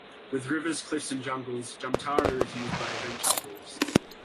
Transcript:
With rivers, cliffs and jungles, Jamtara is used by adventure tourists.